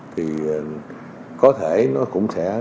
thì có thể nó cũng sẽ